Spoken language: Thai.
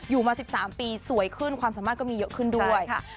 มา๑๓ปีสวยขึ้นความสามารถก็มีเยอะขึ้นด้วย